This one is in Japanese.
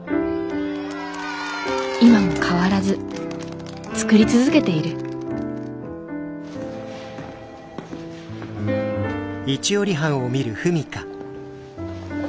今も変わらず作り続けている亀山です。